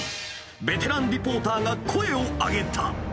ベテランリポーターが声を上げた。